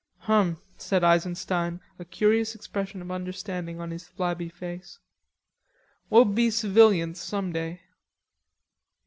"Hum," said Eisenstein, a curious expression of understanding on his flabby face. "We'll be civilians some day."